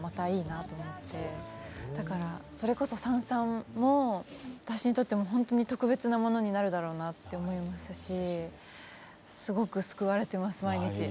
だからそれこそ「燦燦」も私にとっても本当に特別なものになるだろうなって思いますしすごく救われています毎日。